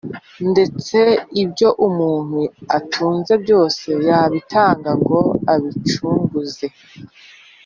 ndetse ibyo umuntu atunze byose yabitanga ngo abicunguze